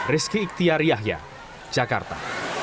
rizky iktiar yahya jakarta